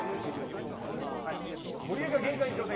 ゴリエが限界に挑戦